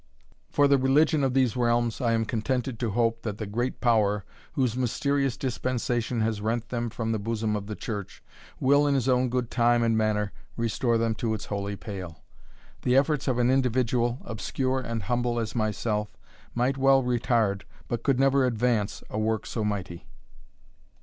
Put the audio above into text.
For the religion of these realms, I am contented to hope that the great Power, whose mysterious dispensation has rent them from the bosom of the church, will, in his own good time and manner, restore them to its holy pale. The efforts of an individual, obscure and humble as myself, might well retard, but could never advance, a work so mighty."